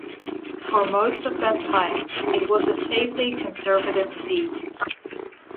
For most of that time, it was a safely conservative seat.